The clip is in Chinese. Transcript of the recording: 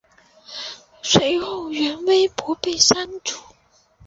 随后原微博被删除。